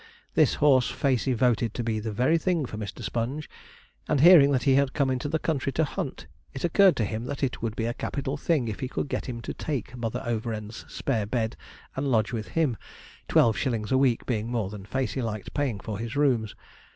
This horse Facey voted to be the very thing for Mr. Sponge, and hearing that he had come into the country to hunt, it occurred to him that it would be a capital thing if he could get him to take Mother Overend's spare bed and lodge with him, twelve shillings a week being more than Facey liked paying for his rooms.